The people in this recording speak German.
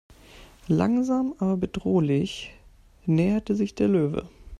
Langsam aber bedrohlich näherte sich der Löwe.